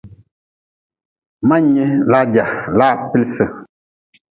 Ma-n nyi ʼʼlagerʼʼ laa ʼʼpilsʼʼ.